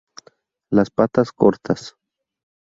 Las patas cortas.